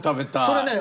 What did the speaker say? それね